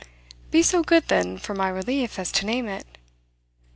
"Be so good then, for my relief, as to name it."